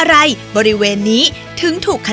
ใบตองรัชตวรรณโธชนุกรุณค่ะ